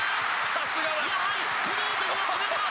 やはりこの男が決めた！